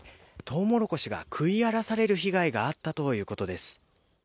とうもろこしが食い荒らされる被害があったということです。